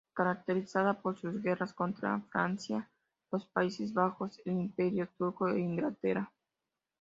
Caracterizada por sus guerras contra: Francia, los Países Bajos, el Imperio turco e Inglaterra.